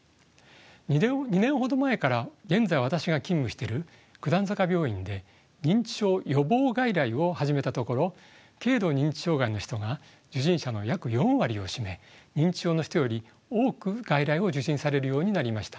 ２年ほど前から現在私が勤務してる九段坂病院で認知症予防外来を始めたところ軽度認知障害の人が受診者の約４割を占め認知症の人より多く外来を受診されるようになりました。